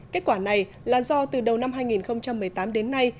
kết quả này là do từ đầu năm hai nghìn một mươi tám đến nay